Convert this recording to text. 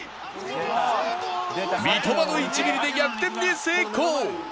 三笘の一撃で逆転に成功！